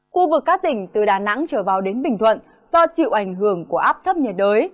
khu vực các tỉnh từ đà nẵng trở vào đến bình thuận do chịu ảnh hưởng của áp thấp nhiệt đới